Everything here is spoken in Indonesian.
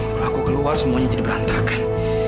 kalau aku keluar semuanya jadi berantakan